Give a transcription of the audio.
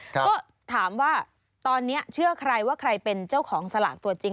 ก็ถามว่าตอนนี้เชื่อใครว่าใครเป็นเจ้าของสลากตัวจริง